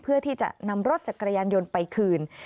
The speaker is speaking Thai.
เพื่อที่จะนำรถจักรยานยนต์ไปคืน